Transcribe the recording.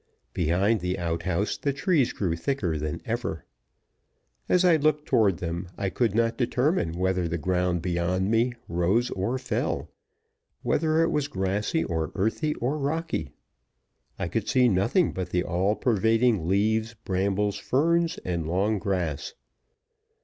Behind the outhouse the trees grew thicker than ever. As I looked toward them I could not determine whether the ground beyond me rose or fell whether it was grassy, or earthy, or rocky. I could see nothing but the all pervading leaves, brambles, ferns, and long grass.